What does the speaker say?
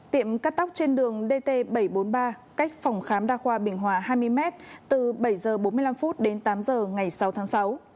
tiệm cắt tóc trên đường dt bảy trăm bốn mươi ba cách phòng khám đa khoa bình hòa hai mươi m từ bảy h bốn mươi năm đến tám h ngày sáu tháng sáu